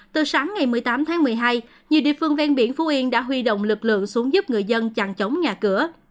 từ sáng ngày một mươi tám tháng một mươi hai nhiều địa phương ven biển phú yên đã huy động lực lượng xuống giúp người dân chặn chống nhà cửa